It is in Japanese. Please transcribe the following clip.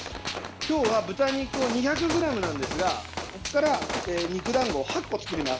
今日は豚肉を２００ｇなんですがここから肉だんごを８個作ります。